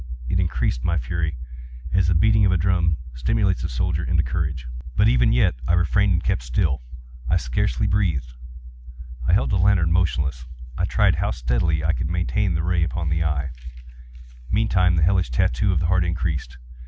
It increased my fury, as the beating of a drum stimulates the soldier into courage. But even yet I refrained and kept still. I scarcely breathed. I held the lantern motionless. I tried how steadily I could maintain the ray upon the eve. Meantime the hellish tattoo of the heart increased.